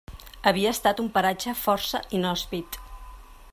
Havia estat un paratge força inhòspit.